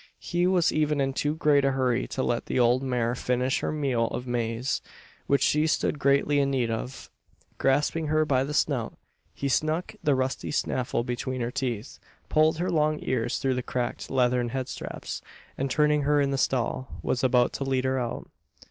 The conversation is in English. He was even in too great a hurry to let the old mare finish her meal of maize, which she stood greatly in need of. Grasping her by the snout, he stuck the rusty snaffle between her teeth; pulled her long ears through the cracked leathern headstraps; and, turning her in the stall, was about to lead her out.